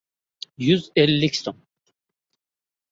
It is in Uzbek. — Yuz ellik so‘m!